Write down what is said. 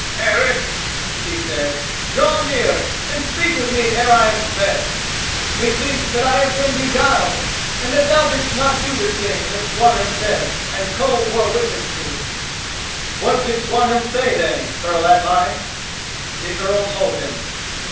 "Eric," he said, "draw near and speak with me ere I am sped. Methinks that I have been beguiled and that thou didst not do this thing that Swanhild said and Koll bore witness to." "What did Swanhild say, then, Earl Atli?" The Earl told him.